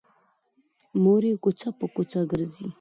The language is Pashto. مور یې کوڅه په کوڅه ګرځي